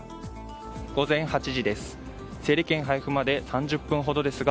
午前８時です。